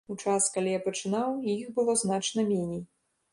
У час, калі я пачынаў, іх было значна меней.